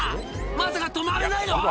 まさか止まれないの⁉」